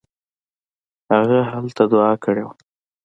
هغه هلته دوعا کړې وه.